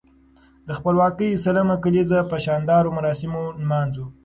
د خپلواکۍ سلم کاليزه به په شاندارو مراسمو نمانځو.